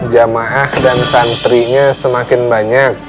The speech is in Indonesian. jamaah dan santrinya semakin banyak